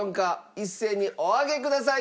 一斉にお上げください。